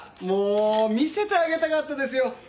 も見せてあげたかったですよ。